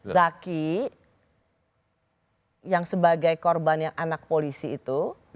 zaky yang sebagai korbannya anak polisi itu